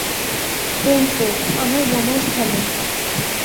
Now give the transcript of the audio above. প্রিন্সিপ, আমার লোমশ ভাল্লুক!